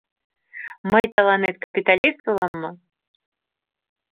Мый тыланет капиталист улам мо?